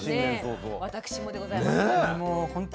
私もでございます。ね。